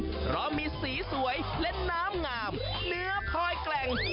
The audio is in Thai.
เพราะมีสีสวยและน้ำงามเนื้อคอยแกร่ง